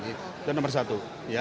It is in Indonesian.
itu nomor satu